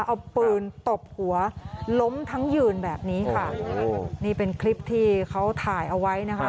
เอาปืนตบหัวล้มทั้งยืนแบบนี้ค่ะนี่เป็นคลิปที่เขาถ่ายเอาไว้นะคะ